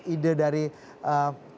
ide dari panitia khusus ini